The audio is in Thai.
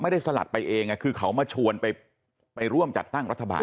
สลัดไปเองคือเขามาชวนไปร่วมจัดตั้งรัฐบาล